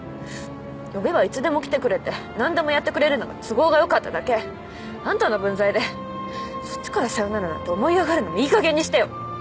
呼べばいつでも来てくれて何でもやってくれるのが都合が良かっただけ。あんたの分際でそっちからさよならなんて思い上がるのもいいかげんにしてよ。